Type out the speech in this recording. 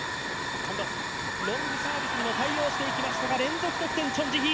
ロングサービスにも対応していきましたが連続ポイント、チョン・ジヒ。